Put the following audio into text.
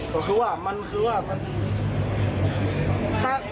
ก็คือว่ามันคือว่ามัน